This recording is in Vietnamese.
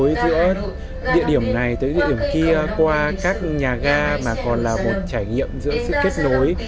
đối với giữa địa điểm này tới địa điểm kia qua các nhà ga mà còn là một trải nghiệm giữa sự kết nối